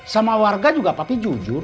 sama warga juga pasti jujur